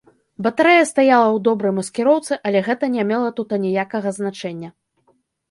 Батарэя стаяла ў добрай маскіроўцы, але гэта не мела тут аніякага значэння.